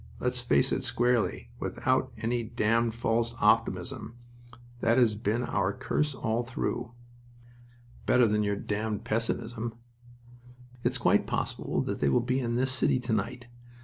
Let's face it squarely, without any damned false optimism. That has been our curse all through." "Better than your damned pessimism." "It's quite possible that they will be in this city tonight.